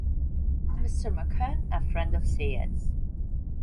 I'm Mr. McCunn, a friend of Syed's.